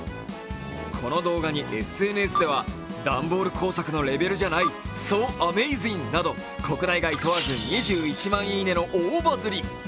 この動画にＳＮＳでは、ダンボール工作のレベルじゃない、ｓｏａｍａｚｉｎｇなど国内外問わず２１万いいねの大バズり。